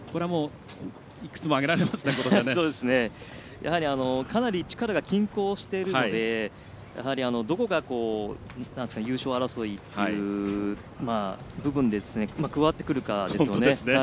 やはり、かなり力が均衡しているのでどこが、優勝争いっていう部分で加わってくるかですね。